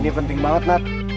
ini penting banget nathan